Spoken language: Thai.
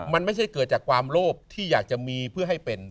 มันไม่ใช่เกิดจากความโลภที่อยากจะมีเพื่อให้เป็น